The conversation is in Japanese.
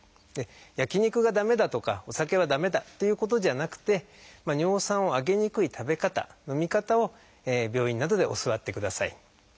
焼き肉が駄目だとかお酒は駄目だっていうことじゃなくて尿酸を上げにくい食べ方飲み方を病院などで教わってください。